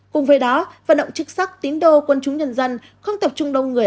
cùng với đó vận động chức sắc tín đô quân chúng nhân dân không tập trung đông người